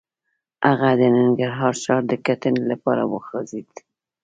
هغه د ننګرهار ښار د کتنې لپاره وخوځېد.